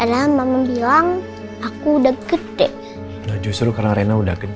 jadi itu nanti aku suruh dia names off